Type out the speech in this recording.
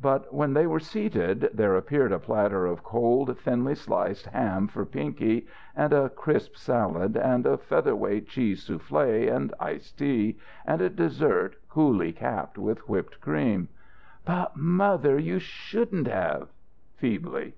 But when they were seated, there appeared a platter of cold, thinly sliced ham for Pinky, and a crisp salad, and a featherweight cheese soufflé, and iced tea, and a dessert coolly capped with whipped cream. "But, mother, you shouldn't have " feebly.